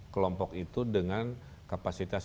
kelompok itu dengan kapasitas